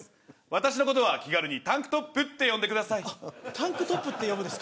私のことは気軽にタンクトップって呼んでください。